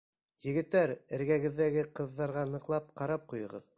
Егеттәр, эргәгеҙҙәге ҡыҙҙарға ныҡлап ҡарап ҡуйығыҙ.